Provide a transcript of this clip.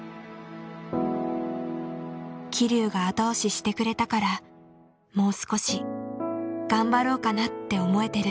「希龍が後押ししてくれたからもう少し頑張ろうかなって思えてる。